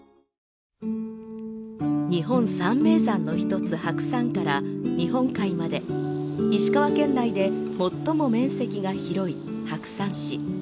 日本三名山の一つ白山から日本海まで石川県内で最も面積が広い白山市。